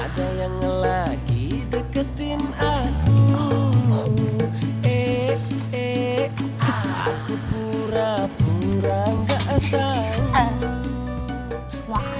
kenapa kamu tidak berbicara